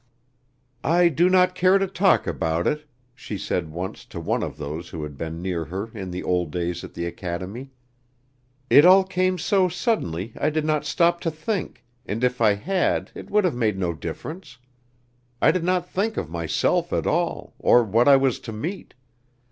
"I do not care to talk about it," she said once to one of those who had been near her in the old days at the academy; "it all came so suddenly I did not stop to think, and if I had it would have made no difference. I did not think of myself at all, or what I was to meet.